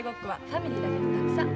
ファミリーだけでたくさん。